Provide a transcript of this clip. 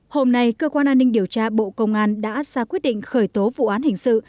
hôm nay cơ quan an ninh điều tra bộ công an đã ra quyết định khởi tố vụ án hình sự